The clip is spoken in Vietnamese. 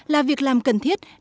là việc làm cần thiết